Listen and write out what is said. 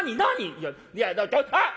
「いやいやちょあっ！」。